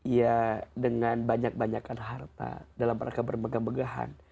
ya dengan banyak banyakan harta dalam rangka bermegah megahan